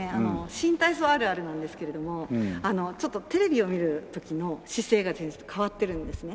新体操あるあるなんですけれどもちょっとテレビを見る時の姿勢が変わってるんですね。